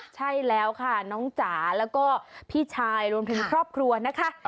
ใช่แล้วค่ะน้องจ๋าแล้วก็พี่ชายรวมถึงครอบครัวนะคะ